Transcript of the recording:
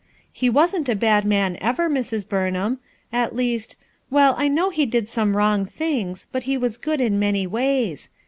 He wasn't a bad man, ever, Mrs. Burnham; at least — well, I know he did some WTong things, but he was good in many ways.